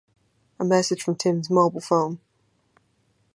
A message from Tim's mobile phone.